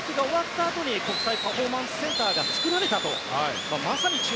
そしてそのあとに国際パフォーマンスセンターが作られたと。